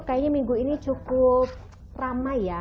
kayaknya minggu ini cukup ramai ya